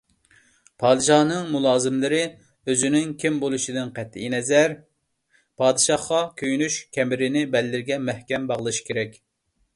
پادىشاھنىڭ مۇلازىملىرى ئۆزىنىڭ كىم بولۇشىدىن قەتئىينەزەر، پادىشاھقا كۆيۈنۈش كەمىرىنى بەللىرىگە مەھكەم باغلىشى كېرەك.